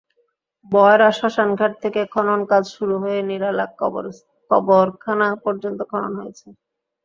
বয়রা শ্মশানঘাট থেকে খননকাজ শুরু হয়ে নিরালা কবরখানা পর্যন্ত খনন হয়েছে।